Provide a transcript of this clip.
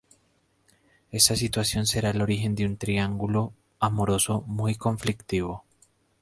Esta situación será el origen de una triángulo amoroso muy conflictivo.